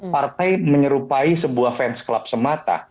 partai menyerupai sebuah fans club semata